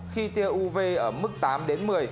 khi tia uv ở mức tám đến một mươi